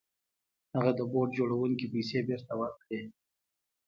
هغه د بوټ جوړوونکي پيسې بېرته ورکړې.